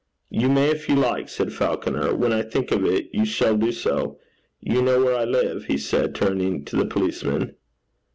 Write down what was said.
'You may, if you like,' said Falconer. 'When I think of it, you shall do so. You know where I live?' he said, turning to the policeman.